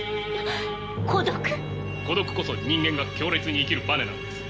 孤独こそ人間が強烈に生きるバネなのです。